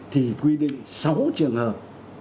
thì quy định sáu trường hợp